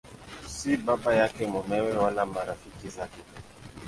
Si baba yake, mumewe wala marafiki zake.